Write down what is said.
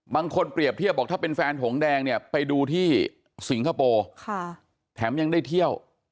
เปรียบเทียบบอกถ้าเป็นแฟนถงแดงเนี่ยไปดูที่สิงคโปร์แถมยังได้เที่ยว